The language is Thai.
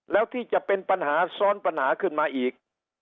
แล้วที่จะเป็นปัญหาซ้อนปัญหาขึ้นมาอีก